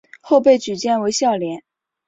后被举荐为孝廉。